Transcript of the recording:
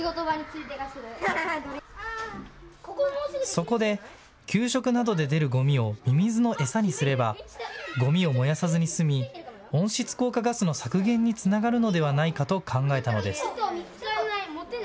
そこで、給食などで出るごみをミミズの餌にすればごみを燃やさずに済み温室効果ガスの削減につながるのではないかと考えたのです。